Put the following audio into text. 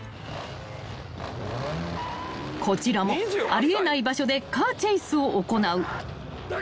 ［こちらもあり得ない場所でカーチェイスを行う］